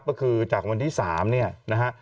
ก็คือจากวันที่๓เนี่ยนะฮะ